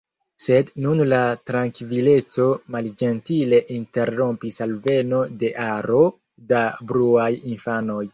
Sed nun la trankvilecon malĝentile interrompis alveno de aro da bruaj infanoj.